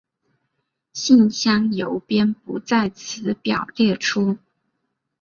信箱邮编不在此表列出。